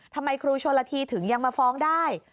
ทำไมครูชนละทีถึงยังมาฟ้องได้